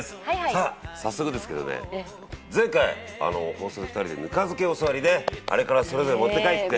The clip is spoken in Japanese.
さあ早速ですけどね前回放送２人でぬか漬けを教わりねあれからそれぞれ持って帰って。